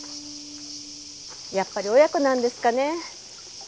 やっぱり親子なんですかね。